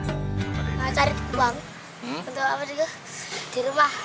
kita cari uang untuk apa juga di rumah